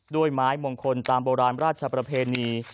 ด้วยไม้มงคลตามโบราณราชประเพณี